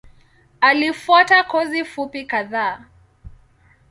Alifuata kozi fupi kadhaa.